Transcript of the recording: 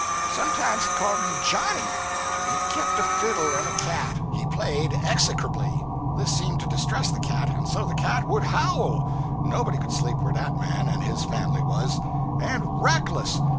Sometimes he called me "Johnny." And he kept a fiddle, and a cat. He played execrably. This seemed to distress the cat, and so the cat would howl. Nobody could sleep where that man and his family was. And reckless.